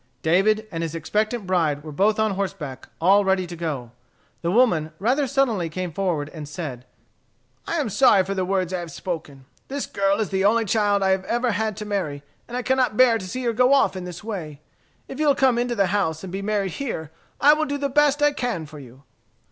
David and his expectant bride were both on horseback, all ready to go. The woman rather sullenly came forward and said: "I am sorry for the words I have spoken. This girl is the only child I have ever had to marry. I cannot bear to see her go off in this way. If you'll come into the house and be married here, I will do the best I can for you."